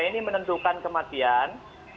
ini menentukan kematian